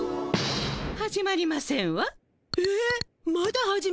始まりません。